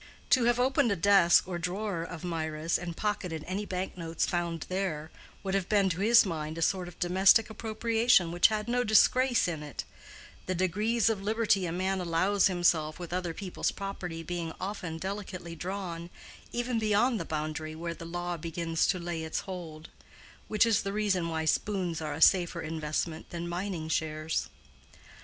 To have opened a desk or drawer of Mirah's, and pocketed any bank notes found there, would have been to his mind a sort of domestic appropriation which had no disgrace in it; the degrees of liberty a man allows himself with other people's property being often delicately drawn, even beyond the boundary where the law begins to lay its hold—which is the reason why spoons are a safer investment than mining shares.